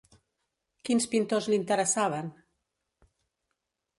Quins pintors l'interessaven?